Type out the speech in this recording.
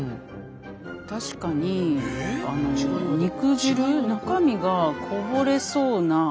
確かに肉汁中身がこぼれそうな。